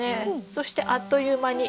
そしてあっという間にまた。